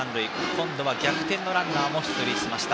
今度は逆転のランナーも出塁しました。